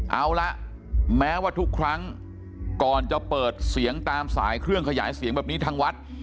เอาละแม้ว่าทุกครั้งก่อนจะเปิดเสียงตามสายเครื่องขยายเสียงแบบนี้ทางวัด